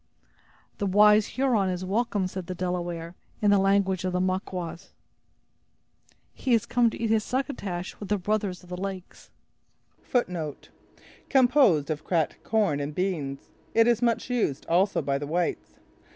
"The wise Huron is welcome," said the Delaware, in the language of the Maquas; "he is come to eat his 'succotash', with his brothers of the lakes." A dish composed of cracked corn and beans. It is much used also by the whites.